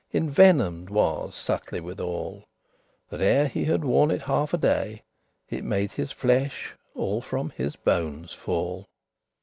Envenomed was subtilly withal, That ere that he had worn it half a day, It made his flesh all from his bones fall.